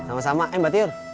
sama sama eh mbak tiur